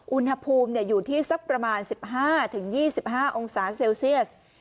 อุณหภูมิอยู่ที่สักประมาณ๑๕๒๕องศาเซลเซียส